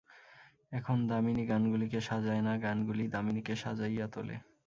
এখন দামিনী গানগুলিকে সাজায় না, গানগুলিই দামিনীকে সাজাইয়া তোলে।